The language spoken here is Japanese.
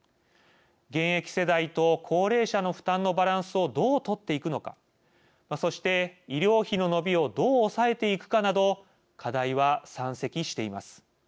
現役世代と高齢者の負担のバランスをどう取っていくのかそして、医療費の伸びをどう抑えていくかなど課題は山積しています。